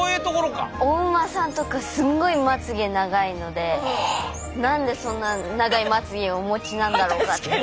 お馬さんとかすっごいまつ毛長いので何でそんな長いまつ毛をお持ちなんだろうかって。